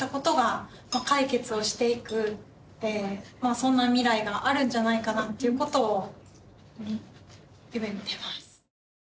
そんな未来があるんじゃないかなっていう事を夢見てます。